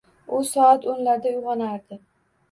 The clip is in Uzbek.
U soat o‘nlarda uyg‘onardi.